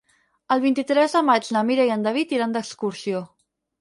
El vint-i-tres de maig na Mira i en David iran d'excursió.